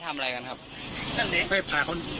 คำให้การในกอล์ฟนี่คือคำให้การในกอล์ฟนี่คือ